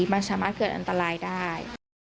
มันสามารถเกิดอันตรายได้